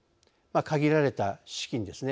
限られた資金ですね。